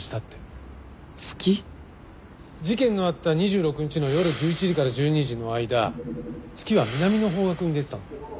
事件のあった２６日の夜１１時から１２時の間月は南の方角に出てたんだよ。